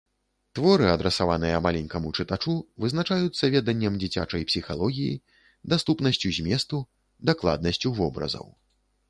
Творы, адрасаваныя маленькаму чытачу, вызначаюцца веданнем дзіцячай псіхалогіі, даступнасцю зместу, дакладнасцю вобразаў.